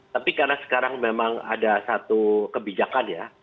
tapi karena sekarang memang ada satu kebijakan ya